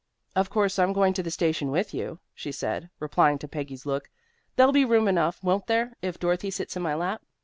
"Of course I'm going to the station with you," she said, replying to Peggy's look. "There'll be room enough, won't there, if Dorothy sits in my lap?"